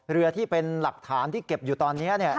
เรือที่เป็นหลักฐานที่เก็บอยู่ตอนนี้